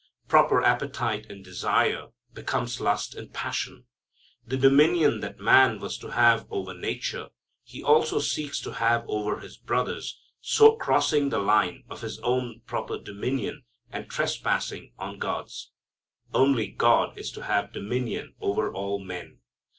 Proper appetite and desire become lust and passion. The dominion that man was to have over nature, he seeks also to have over his brothers, so crossing the line of his own proper dominion and trespassing on God's. Only God is to have dominion over all men.